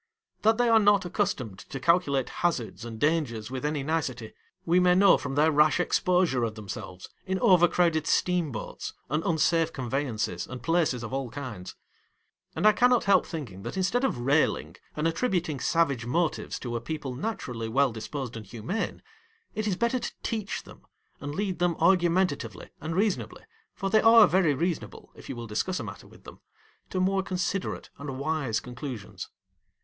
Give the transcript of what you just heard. That they are not accustomed to calculate hazards and dangers with any nicety, we may know from their rash exposure of themselves in over crowded steam boats, and unsafe conveyances and places of all kinds. And I cannot help thinking that instead of railing, and attribut ing savage motives to a people naturally well disposed and humane, it is better to teach them, and lead them argumentatively and Charles Dickens.] LYING AWAKE, 147 reasonably — for they are very reasonable, i you will discuss a matter with them — to more considerate and wise conclusions.